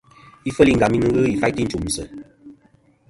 Ifel i Ngam nɨn ghɨ ifaytɨ i nchùmsɨ.